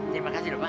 terima kasih bapak